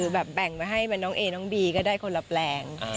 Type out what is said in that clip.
แบ่งไว้ให้น้องเอ๊น้องบีก็ได้คนละแปลง